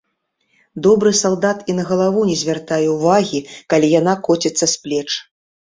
Добры салдат і на галаву не звяртае ўвагі, калі яна коціцца з плеч.